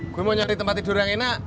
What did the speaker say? gue mau nyari tempat tidur yang enak